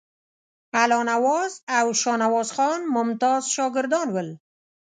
الله نواز او شاهنواز خان ممتاز شاګردان ول.